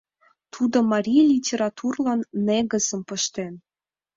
Тудо марий литературлан негызым пыштен.